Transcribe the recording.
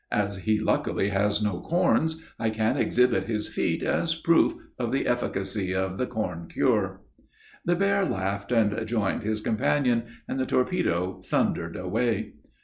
As he luckily has no corns, I can exhibit his feet as a proof of the efficacy of the corn cure." The bear laughed and joined his companion, and the torpedo thundered away.